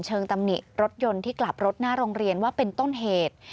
ตำหนิรถยนต์ที่กลับรถหน้าโรงเรียนว่าเป็นต้นเหตุ